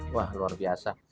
wah luar biasa